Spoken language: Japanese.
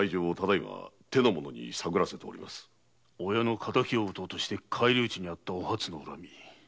親の敵を討とうとして返り討ちに遭ったおはつの恨み。